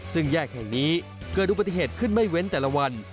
ซึ่งแยกแห่งนี้เกิดอุบัติเหตุขึ้นไม่เว้นแต่ละวัน